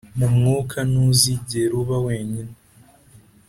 mu mwuka ntuzigera uba wenyine.